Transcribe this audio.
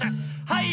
はい！